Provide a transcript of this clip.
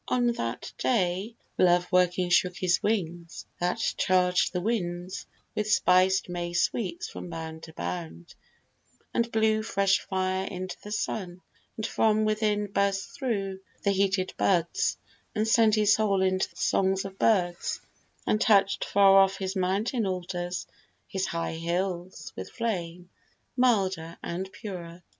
On that day, Love working shook his wings (that charged the winds With spiced May sweets from bound to bound) and blew Fresh fire into the sun, and from within Burst thro' the heated buds, and sent his soul Into the songs of birds, and touch'd far off His mountain altars, his high hills, with flame Milder and purer.